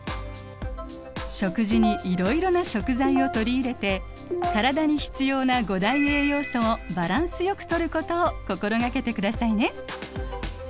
食事にいろいろな食材を取り入れて体に必要な五大栄養素をバランスよくとることを心掛けてくださいね。